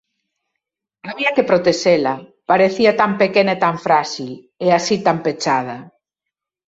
Había que protexela, parecía tan pequena e tan fráxil, e así tan pechada.